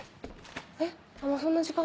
えっもうそんな時間？